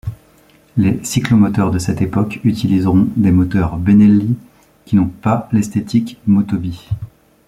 Les cyclomoteurs de cette époque utiliseront des moteurs Benelli, qui n'ont pas l'esthétique Motobi.